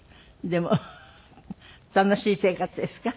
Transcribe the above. でも楽しい生活ですか？